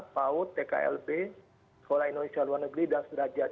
paud tklb sekolah indonesia luar negeri dan sederajat